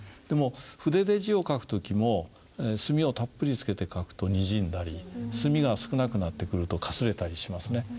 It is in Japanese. でも筆で字を書く時も墨をたっぷりつけて書くとにじんだり墨が少なくなってくるとかすれたりしますね。